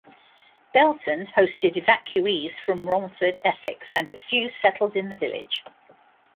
Belton hosted evacuees from Romford, Essex and a few settled in the village.